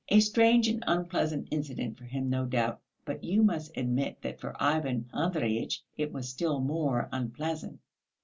A strange and unpleasant incident for him, no doubt, but you must admit that for Ivan Andreyitch it was still more unpleasant.